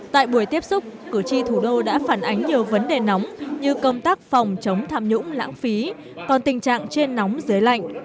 tại buổi tiếp xúc cử tri thủ đô đã phản ánh nhiều vấn đề nóng như công tác phòng chống tham nhũng lãng phí còn tình trạng trên nóng dưới lạnh